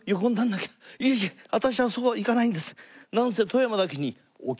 「いえいえ私はそうはいかないんです」。